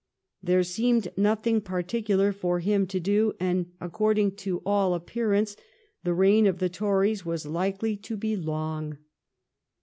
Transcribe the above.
There seemed nothing particular for him to do, and according to all appearance the reign of the Tories was likely to be long.